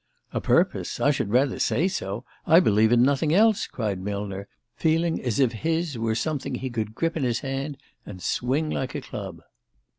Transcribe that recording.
"A purpose? I should rather say so! I believe in nothing else," cried Millner, feeling as if his were something he could grip in his hand and swing like a club.